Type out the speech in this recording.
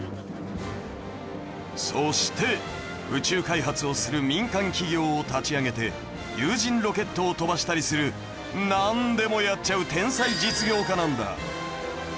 そして宇宙開発をする民間企業を立ち上げて有人ロケットを飛ばしたりするなんでもやっちゃう天才実業家なんだ。